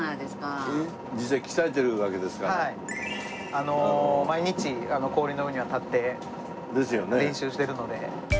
あの毎日氷の上には立って練習してるので。